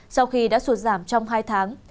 sau khi đã sụt giảm trong hai tháng